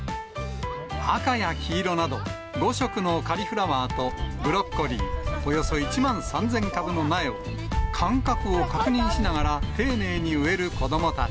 赤や黄色など、５色のカリフラワーとブロッコリーおよそ１万３０００株の苗を、間隔を確認しながら、丁寧に植える子どもたち。